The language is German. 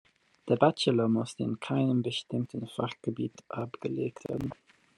Der Bachelor muss in keinem bestimmten Fachgebiet abgelegt werden.